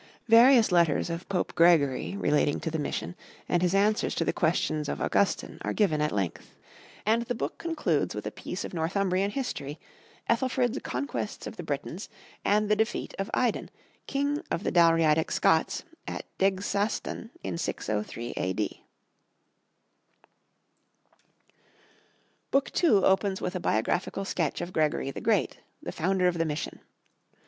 Various letters of Pope Gregory relating to the mission and his answers to the questions of Augustine are given at length; and the Book concludes with a piece of Northumbrian history, Ethelfrid's conquests of the Britons and the defeat of Aedan, king of the Dalriadic Scots, at Degsastan in 603 A.D. BOOK II.—Book II opens with a biographical sketch of Gregory the Great, the founder of the Mission.